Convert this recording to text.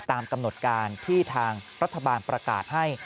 ตามกำหนดการที่ทางรัฐบาลประกาศให้